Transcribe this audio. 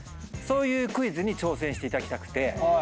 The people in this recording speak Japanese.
そういうクイズに挑戦していただきたくて。